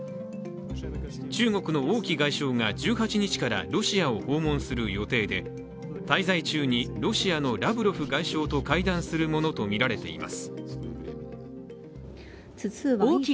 中国の王毅外相が１８日からロシアを訪問する予定で滞在中にロシアのラブロフ外相と会談するものとみられています。